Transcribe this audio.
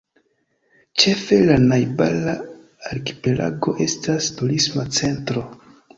Ĉefe la najbara arkipelago estas turisma centro.